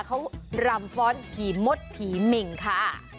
เขารำฟ้อนผีมดผีเหม่งค่ะ